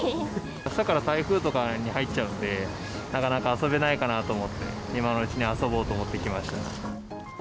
あしたから台風とかに入っちゃうんで、なかなか遊べないかなと思って、今のうちに遊ぼうと思って来ました。